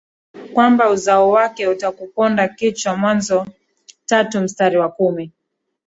kwamba uzao wake utakuponda kichwa Mwanzo tatu mstari wa kumi